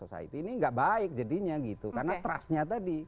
ini nggak baik jadinya gitu karena trustnya tadi